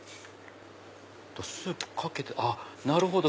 スープかけてなるほど！